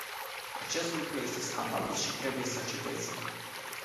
Acest lucru este scandalos și trebuie să înceteze.